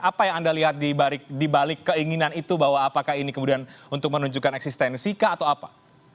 apa yang anda lihat di balik keinginan itu bahwa apakah ini kemudian untuk menunjukkan eksistensi kah atau apa